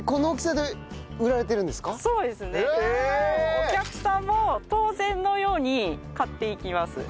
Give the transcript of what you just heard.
お客さんも当然のように買っていく？